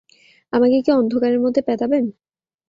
আমাকে কি অন্ধকারের মধ্যে প্যাঁদাবেন?